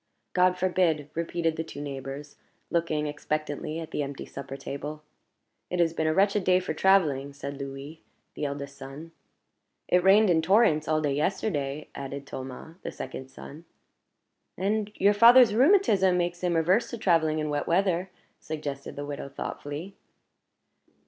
"God forbid!" repeated the two neighbors, looking expectantly at the empty supper table. "It has been a wretched day for traveling;" said Louis, the eldest son. "It rained in torrents all yesterday," added Thomas; the second son. "And your father's rheumatism makes him averse to traveling in wet weather," suggested the widow, thoughtfully.